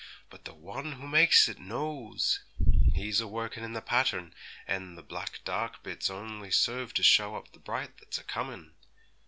But the One who makes it knows He's a workin' in the pattern, and the black dark bits only serve to show up the bright that's a comin'.'